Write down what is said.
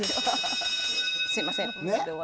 すみません。